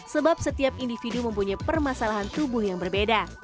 sebab setiap individu mempunyai permasalahan tubuh yang berbeda